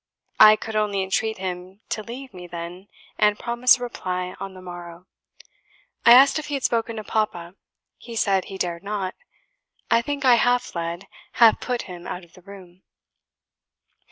I could only entreat him to leave me then, and promise a reply on the morrow. I asked if he had spoken to Papa. He said he dared not. I think I half led, half put him out of the room."